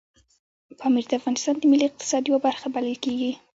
پامیر د افغانستان د ملي اقتصاد یوه برخه بلل کېږي.